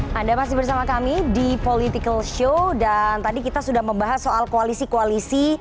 hai anda masih bersama kami di political show dan tadi kita sudah membahas soal koalisi koalisi